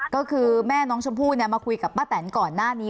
ก็คือแม่น้องชมพู่มาคุยกับป้าแตนก่อนหน้านี้